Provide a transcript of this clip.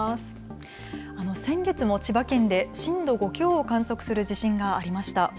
先月も千葉県で震度５強を観測する地震がありました。